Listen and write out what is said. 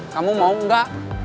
kamu mau gak